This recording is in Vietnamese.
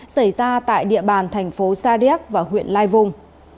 xảy ra tại địa bàn thành phố sa điếc và huyện lai vung